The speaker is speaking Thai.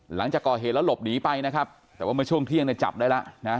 หลังจากก่อเหตุแล้วหลบหนีไปนะครับแต่ว่าเมื่อช่วงเที่ยงเนี่ยจับได้แล้วนะ